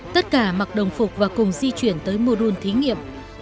tất cả mặc đồng phục và cùng di chuyển tới mô đun thí nghiệm